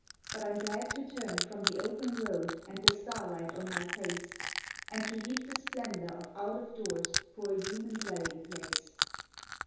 But I'm glad to turn from the open road and the starlight on my face, And to leave the splendour of out of doors for a human dwelling place.